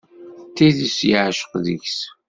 D tidet yeεceq deg-s.